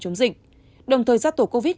chống dịch đồng thời giác tổ covid